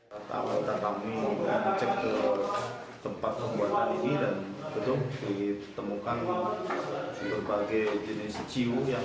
ditemukan berbagai jenis ciu yang sudah dimasukkan ke dalam botol